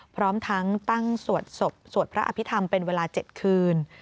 พร้อมทั้งตั้งสวดศพสวดพระอภิษฐรรมเป็นเวลา๗คืน